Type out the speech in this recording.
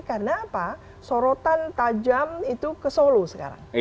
karena apa sorotan tajam itu ke solo sekarang